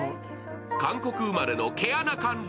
韓国生まれの毛穴管理